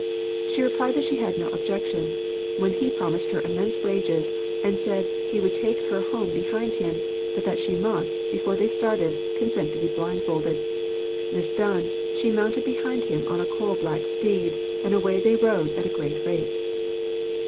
She replied that she had no objection; when he promised her immense wages, and said he would take her home behind him, but that she must, before they started, consent to be blindfolded. This done, she mounted behind him on a coal black steed, and away they rode at a great rate.